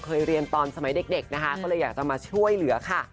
เคยเรียนตอนสมัยเด็กนะคะก็เลยอยากจะมาช่วยเหลือค่ะ